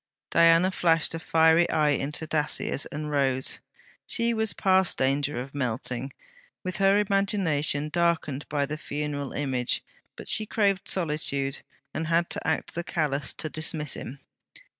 Diana flashed a fiery eye into Dacier's, and rose. She was past danger of melting, with her imagination darkened by the funeral image; but she craved solitude, and had to act the callous, to dismiss him.